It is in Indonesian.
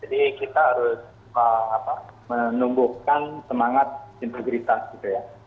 jadi kita harus menumbuhkan semangat integritas juga ya